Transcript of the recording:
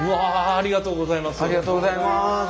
ありがとうございます。